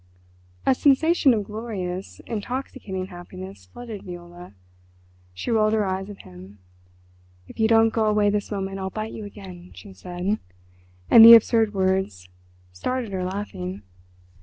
A sensation of glorious, intoxicating happiness flooded Viola. She rolled her eyes at him. "If you don't go away this moment I'll bite you again," she said, and the absurd words started her laughing.